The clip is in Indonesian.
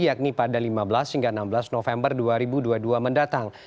yakni pada lima belas hingga enam belas november dua ribu dua puluh dua mendatang